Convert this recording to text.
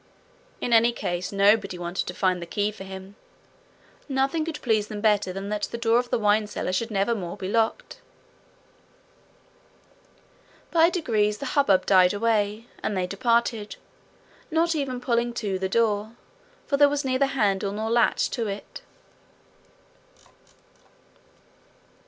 In any case nobody wanted to find the key for him; nothing could please them better than that the door of the wine cellar should never more be locked. By degrees the hubbub died away, and they departed, not even pulling to the door, for there was neither handle nor latch to it.